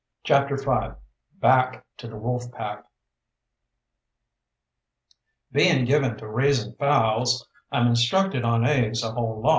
CHAPTER V BACK TO THE WOLF PACK Being given to raising fowls, I'm instructed on eggs a whole lot.